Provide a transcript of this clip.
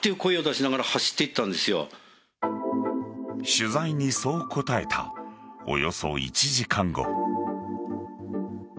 取材にそう答えたおよそ１時間後。